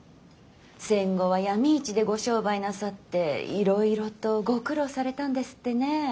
戦後は闇市でご商売なさっていろいろとご苦労されたんですってね。